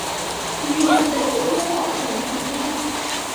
其余两份皆保存至今。